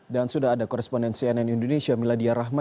dan sudah ada koresponden cnn indonesia miladia rahma